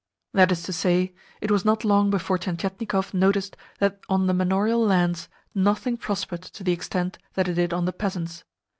That is to say, it was not long before Tientietnikov noticed that on the manorial lands, nothing prospered to the extent that it did on the peasants'.